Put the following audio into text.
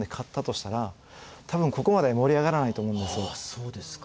そうですか。